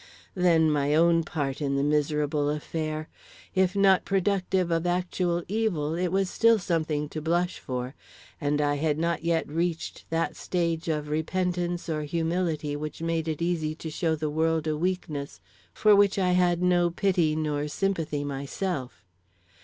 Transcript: Then, my own part in the miserable affair. If not productive of actual evil, it was still something to blush for, and I had not yet reached that stage of repentance or humility which made it easy to show the world a weakness for which I had no pity nor sympathy myself.